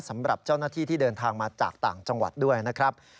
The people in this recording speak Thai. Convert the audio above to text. สำหรับเจ้าหน้าที่ที่เดินทางมาจากต่างจังหวัดด้วยนะครับ